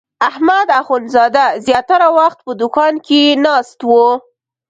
احمد اخوندزاده زیاتره وخت په دوکان کې ناست و.